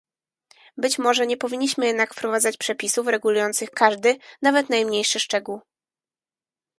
Być może nie powinniśmy jednak wprowadzać przepisów regulujących każdy, nawet najmniejszy, szczegół